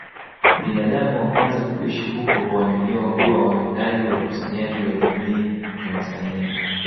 Binadamu wa kwanza kuishi huko huaminiwa kuwa wawindaji wakusanyaji wa jamii ya Wasani